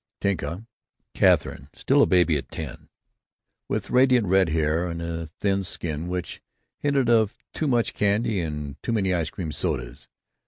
Tinka Katherine still a baby at ten, with radiant red hair and a thin skin which hinted of too much candy and too many ice cream sodas.